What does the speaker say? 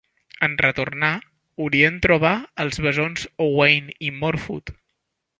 En retornar, Urien troba els bessons Owain i Morfudd.